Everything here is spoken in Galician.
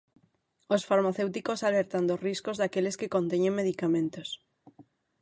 Os farmacéuticos alertan dos riscos daqueles que conteñen medicamentos.